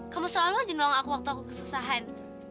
kamu selalu aja nolong aku waktu aku kesusahan